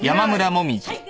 はい。